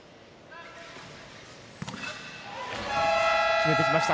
決めてきました。